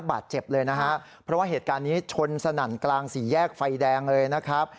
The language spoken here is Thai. บาดเจ็บเลยนะฮะเพราะว่าเหตุการณ์นี้ชนสนั่นกลางสี่แยกไฟแดงเลยนะครับ